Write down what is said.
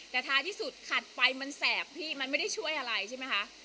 แต่ท้ายที่สุดขัดไฟมันแสบพี่มันไม่ได้ช่วยอะไรใช่ไหมคะ